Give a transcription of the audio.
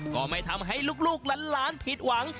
ก็ไม่ทำให้ลูกหลานผิดหวัง